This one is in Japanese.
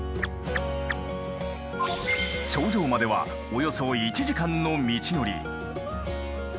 頂上まではおよそ１時間の道のり。